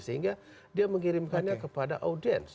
sehingga dia mengirimkannya kepada audiens